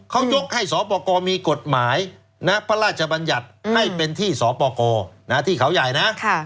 เขายกให้สปกรมีกฎหมายพระราชบัญญัติให้เป็นที่สปกรที่เขาใหญ่นะ